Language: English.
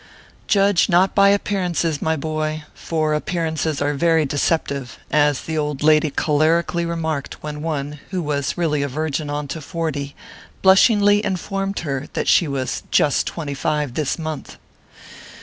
JUDGE not by appearances, my boy ; for appear ances are very deceptive, as the old lady cholcrically remarked when one, who was really a virgin on to forty, blushingly informed her that she was a just twenty five this month."